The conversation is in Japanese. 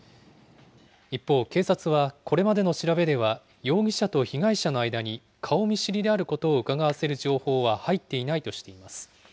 一方、警察はこれまでの調べでは、容疑者と被害者の間に顔見知りであることをうかがわせる情報は入っていないとしています。